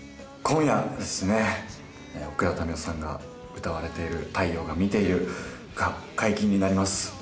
今夜ですね奥田民生さんが歌われている『太陽が見ている』が解禁になります。